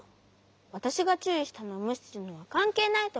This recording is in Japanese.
わたしがちゅういしたのをむしするのはかんけいないとおもうし。